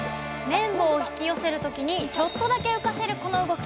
麺棒を引き寄せる時にちょっとだけ浮かせるこの動き。